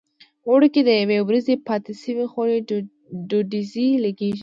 په اوړي کې د یوې ورځې پاتې شو خوړو ډډوزې لګېږي.